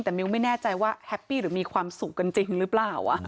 แต่มิวไม่แน่ใจว่าแฮปปี้หรือมีความสุขกันจริงหรือเปล่า